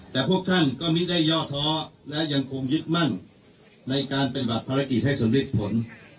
แต่พวกท่านก็ไม่ได้ย่อท้อและยังคงยึดมั่นในการปฏิบัติภารกิจให้สำเร็จผล